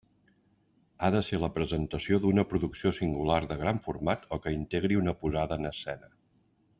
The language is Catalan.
Ha de ser la presentació d'una producció singular de gran format o que integri una posada en escena.